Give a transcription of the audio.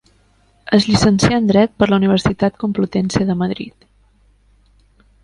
Es llicencià en Dret per la Universitat Complutense de Madrid.